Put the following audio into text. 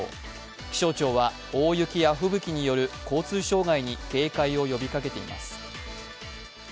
気象庁は、大雪や吹雪による交通障害に警戒を呼びかけています。